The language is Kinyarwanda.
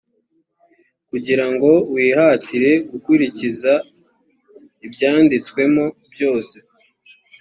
kugira ngo wihatire gukurikiza ibyanditswemo byose,